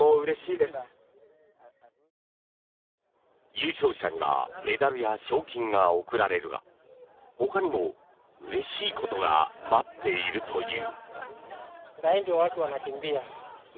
優勝者にはメダルや賞金が贈られるがほかにも、うれしいことが待っているという。